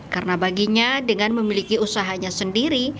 karena baginya dengan memiliki usahanya sendiri